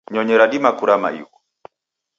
Nyonyi radima kurama ighu.